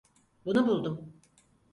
Bunu buldum.